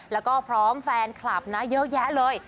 แล้วก็พร้อมแฟนคลับนะเยอะแยะเลย